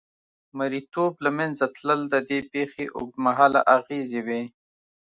مریتوب له منځه تلل د دې پېښې اوږدمهاله اغېزې وې.